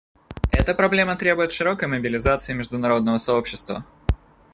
Эта проблема требует широкой мобилизации международного сообщества.